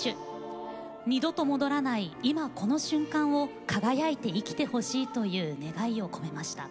二度と戻らない、今この瞬間を輝いて生きてほしいという願いを込めました。